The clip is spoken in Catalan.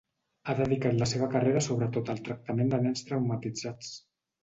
Ha dedicat la seva carrera sobretot al tractament de nens traumatitzats.